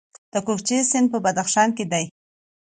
د کوکچې سیند په بدخشان کې دی